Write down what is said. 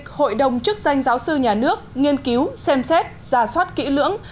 chủ tịch hội đồng chức danh giáo sư nhà nước nghiên cứu xem xét giả soát kỹ lưỡng